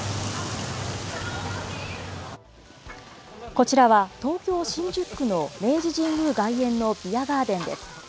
こちらは東京・新宿区の明治神宮外苑のビアガーデンです。